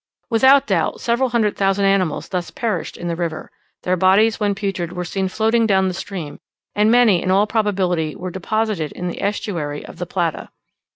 Without doubt several hundred thousand animals thus perished in the river: their bodies when putrid were seen floating down the stream; and many in all probability were deposited in the estuary of the Plata.